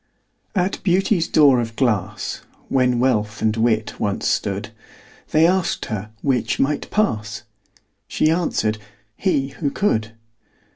At Beauty's door of glass, When Wealth and Wit once stood, They asked her 'which might pass?" She answered, "he, who could."